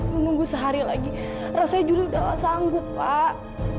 menunggu sehari lagi rasanya juli udah sanggup pak